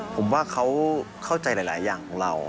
ผมว่าเขาเข้าใจหลายอย่างของเรา